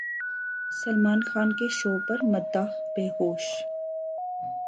سلمان خان کے شو پر مداح بےہوش